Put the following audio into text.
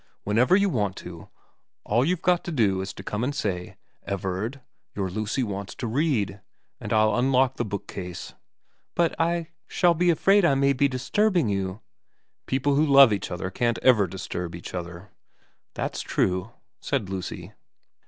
Whenever you want to, all you've got to do is to come and say, " Everard, your Lucy wants to read," and I'll unlock the book case.' ' But I shall be afraid I may be disturbing you.' ' People who love each other can't ever disturb each other.' ' That's true,' said Lucy.